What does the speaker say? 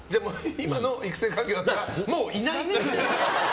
今の育成環境だったらもういない。